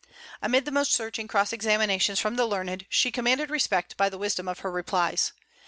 Amid the most searching cross examinations from the learned, she commanded respect by the wisdom of her replies.